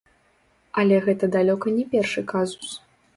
Але гэта далёка не першы казус.